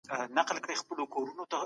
ښځو ته هم په مستقيم ډول خطاب متوجه دی.